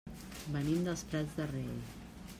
Venim dels Prats de Rei.